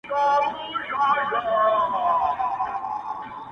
o پر دې متل باندي څه شك پيدا سو ـ